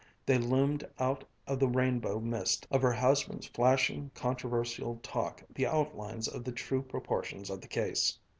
there loomed out of the rainbow mist of her husband's flashing, controversial talk the outlines of the true proportions of the case.